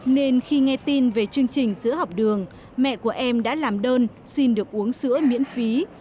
nên khi nghe tin về chương trình sữa học đường mẹ của em đã làm đơn xin được uống sữa miễn phí